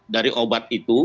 dari obat itu